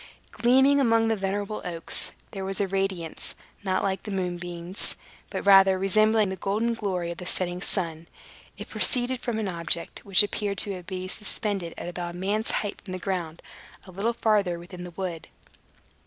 Gleaming among the venerable oaks, there was a radiance, not like the moonbeams, but rather resembling the golden glory of the setting sun. It proceeded from an object, which appeared to be suspended at about a man's height from the ground, a little farther within the wood.